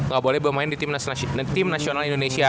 gak boleh bermain di tim nasional indonesia